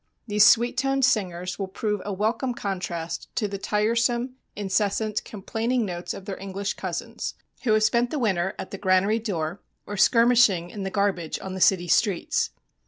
These sweet toned singers will prove a welcome contrast to the tiresome, incessant, complaining notes of their English cousins, who have spent the winter at the granary door or skirmishing in the garbage on the city streets.